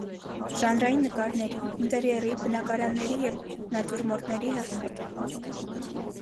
Ժանրային նկարների, ինտերիերի, բնանկարների և նատյուրմորտների հեղինակ է։